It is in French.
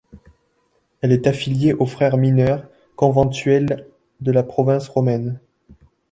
Elle est affiliée aux Frères mineurs conventuels de la Province Romaine.